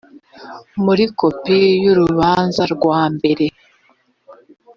muri kopi y urubanza rwambere